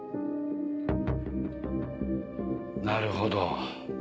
なるほど。